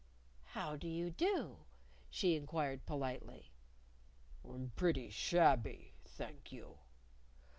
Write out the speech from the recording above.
"How do you do?" she inquired politely. "I'm pretty shabby, thank you."